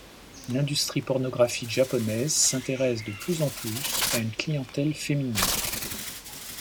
L'industrie pornographique japonaise s'intéresse de plus en plus à une clientèle féminine.